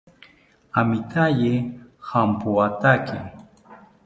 Amitaye jampoatake